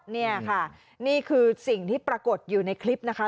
นี่ค่ะนี่คือสิ่งที่ปรากฏอยู่ในคลิปนะคะ